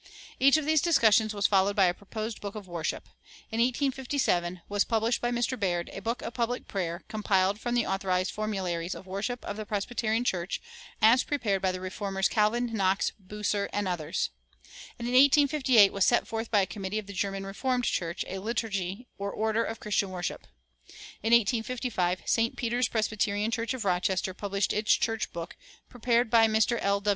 "[388:1] Each of these discussions was followed by a proposed book of worship. In 1857 was published by Mr. Baird "A Book of Public Prayer, Compiled from the Authorized Formularies of Worship of the Presbyterian Church, as Prepared by the Reformers, Calvin, Knox, Bucer, and others"; and in 1858 was set forth by a committee of the German Reformed Church "A Liturgy, or Order of Christian Worship." In 1855 St. Peter's Presbyterian Church of Rochester published its "Church book," prepared by Mr. L.